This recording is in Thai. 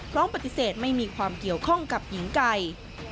ร้องปฏิเสธไม่มีความเกี่ยวข้องกับหญิงไก่